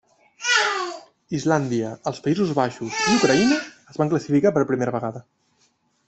Islàndia, els Països Baixos i Ucraïna es van classificar per primera vegada.